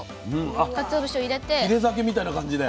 ひれ酒みたいな感じで。